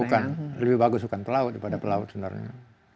bukan lebih bagus bukan pelaut daripada pelaut sebenarnya